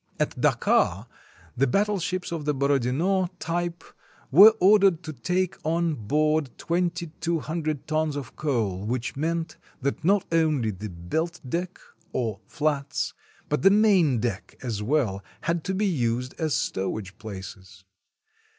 At Dakar the battleships of the Borodino type were ordered to take on board twenty two hundred tons of coal, which meant that not only the belt deck or flats, 231 RUSSIA but the main deck as well had to be used as stowage places.